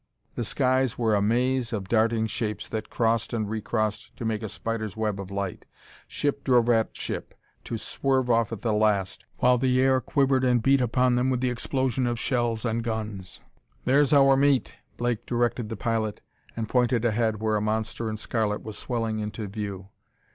The skies were a maze of darting shapes that crossed and recrossed to make a spider's web of light. Ship drove at ship, to swerve off at the last, while the air quivered and beat upon them with the explosion of shells and guns. "There's our meat!" Blake directed the pilot, and pointed ahead where a monster in scarlet was swelling into view.